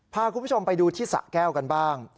พาคุณผู้ชมไปดูที่สะแก้วกันบ้าง